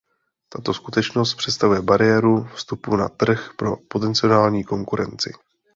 Tato skutečnost představuje bariéru vstupu na trh pro potenciální konkurenci.